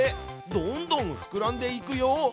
どんどんふくらんでいくよ！